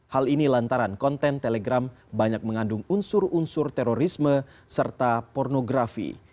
hal ini lantaran konten telegram banyak mengandung unsur unsur terorisme serta pornografi